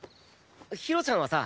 ひろちゃんはさ